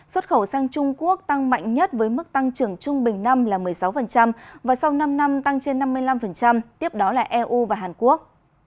xuất khẩu sang trung quốc tăng mạnh nhất với mức tăng trưởng trung bình năm là một mươi sáu và sau năm năm tăng trên năm mươi năm tiếp đó là eu và hàn quốc